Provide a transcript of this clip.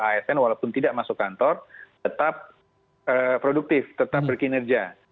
asn walaupun tidak masuk kantor tetap produktif tetap berkinerja